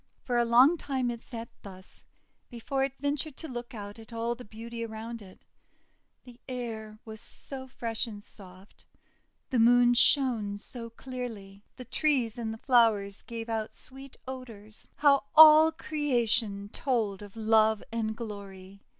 For a long time it sat thus, before it ventured to look out at all the beauty around it. The air was so fresh, so soft. The Moon shone so clearly. The trees and the flowers gave out sweet odours. How all Creation told of love and glory!